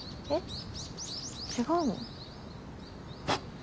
えっ！？